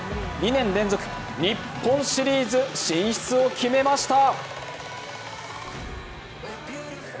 ２年連続日本シリーズ進出を決めました。